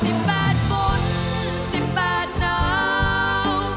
สิบแปดฝุ่นสิบแปดหนาว